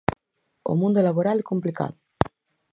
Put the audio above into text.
O mundo laboral é complicado.